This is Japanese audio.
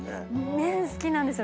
麺好きなんですよ。